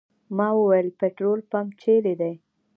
ما وویل پټرول پمپ چېرې دی.